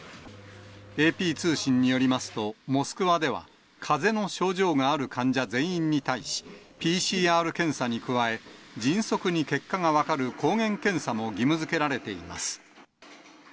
ＡＰ通信によりますと、モスクワではかぜの症状がある患者全員に対し、ＰＣＲ検査に加え、迅速に結果が分かる抗原検査も義務づけられています。